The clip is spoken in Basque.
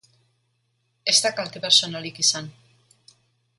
Ez da kalte pertsonalik izan.